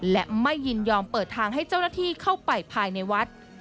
และไม่ยินยอมเปิดทางให้เจ้าหน้าที่เข้าไปภายในวัด